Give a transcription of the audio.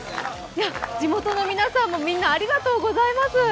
地元の皆さんもみんな、ありがとうございます。